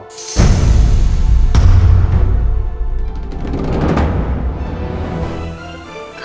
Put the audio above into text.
apa kabar menggolo